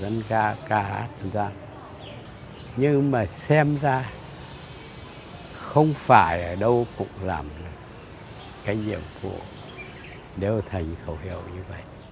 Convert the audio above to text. nhưng mà xem ra không phải ở đâu cũng làm cái nhiệm vụ đeo thành khẩu hiệu như vậy